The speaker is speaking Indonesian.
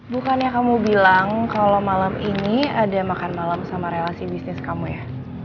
bukannya kamu bilang kalau malam ini ada makan malam sama relasi bisnis kamu ya